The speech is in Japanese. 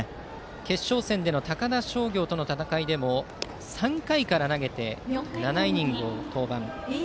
決勝戦での高田商業との戦いでも３回から投げて７イニングを登板。